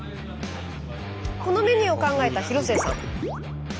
このメニューを考えた広末さん。